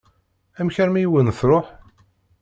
Amek armi i wen-tṛuḥ?